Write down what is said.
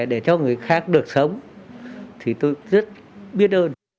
để cho người khác được sống thì tôi rất biết ơn